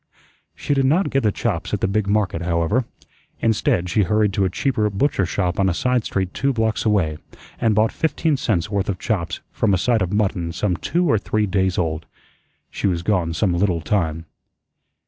She did not get the chops at the big market, however. Instead, she hurried to a cheaper butcher shop on a side street two blocks away, and bought fifteen cents' worth of chops from a side of mutton some two or three days old. She was gone some little time.